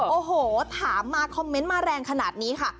โอ้โหถามมาคอมเมนต์มาแรงขนาดนี้ค่ะ